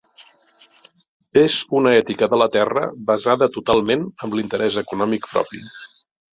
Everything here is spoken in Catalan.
És una ètica de la terra basada totalment en l'interès econòmic propi.